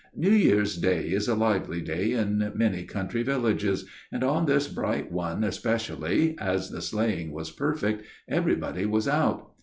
Now, New Year's Day is a lively day in many country villages, and on this bright one especially, as the sleighing was perfect, everybody was out.